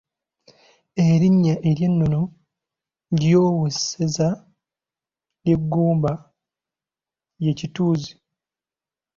Erinnya ery’ennono ery’owessaza ly’e Ggomba ye Kitunzi.